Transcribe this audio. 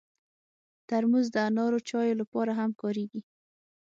ترموز د انارو چایو لپاره هم کارېږي.